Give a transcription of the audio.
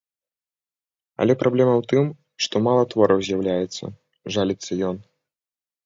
Але праблема ў тым, што мала твораў з'яўляецца, жаліцца ён.